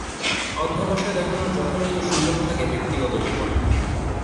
অধ্যবসায় দেখানোর যথার্থ সুযোগ থাকে ব্যক্তিগত জীবনে।